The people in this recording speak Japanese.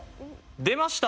出ました。